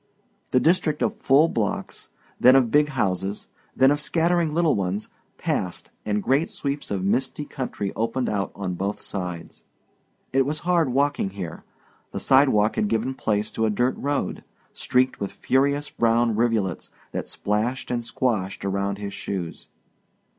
The district of full blocks, then of big houses, then of scattering little ones, passed and great sweeps of misty country opened out on both sides. It was hard walking here. The sidewalk had given place to a dirt road, streaked with furious brown rivulets that splashed and squashed around his shoes.